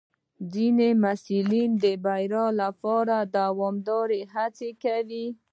ځینې محصلین د بریا لپاره دوامداره هڅه کوي.